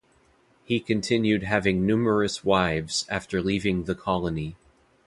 He continued having numerous wives after leaving the colony.